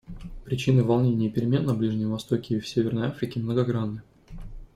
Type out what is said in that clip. Причины волнений и перемен на Ближнем Востоке и в Северной Африке многогранны.